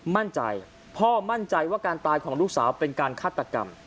มั่นใจพ่อมั่นใจว่าการตายของลูกสาวเป็นการฆาตกรรม